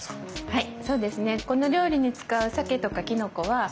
はい。